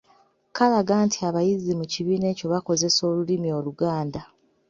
Kalaga nti abayizi mu kibiina ekyo bakozesa Olulimi Oluganda.